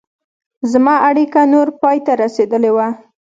زما اړیکه نوره پای ته رسېدلې وه.